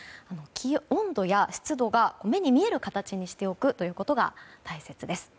温度や湿度が目に見える形にしておくことが大切です。